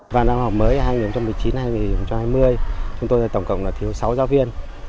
trong năm học mới hai nghìn một mươi chín hai nghìn hai mươi tổng cộng phải thiếu sáu giáo viên